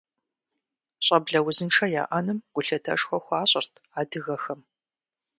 Щӏэблэ узыншэ яӏэным гулъытэшхуэ хуащӏырт адыгэхэм.